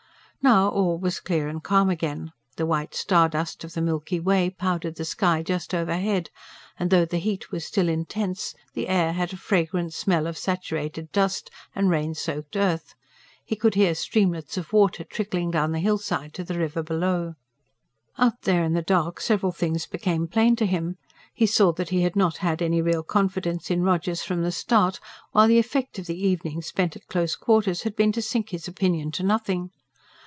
Now, all was clear and calm again; the white star dust of the Milky Way powdered the sky just overhead; and though the heat was still intense, the air had a fragrant smell of saturated dust and rain soaked earth he could hear streamlets of water trickling down the hillside to the river below. Out there in the dark, several things became plain to him. He saw that he had not had any real confidence in Rogers from the start; while the effect of the evening spent at close quarters had been to sink his opinion to nothing.